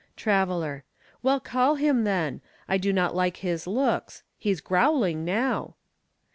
Traveler. Well, call him, then. I do not like his looks. He's growling now.